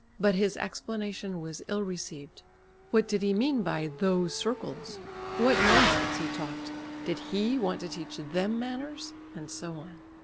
But his explanation was ill received. What did he mean by "those circles"? What nonsense he talked! Did he want to teach them manners? And so on.